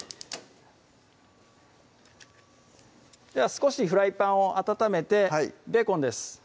少しフライパンを温めてベーコンです